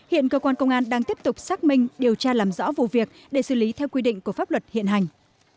hiện cơ quan công an đang tiếp tục xác minh điều tra làm rõ vụ việc để xử lý theo quy định của pháp luật hiện hành